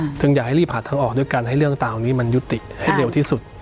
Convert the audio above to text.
จึงอยากให้รีบหาทางออกด้วยกันให้เรื่องต่างนี้มันยุติให้เร็วที่สุด